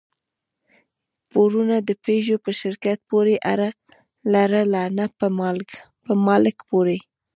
پورونو د پيژو په شرکت پورې اړه لرله، نه په مالک پورې.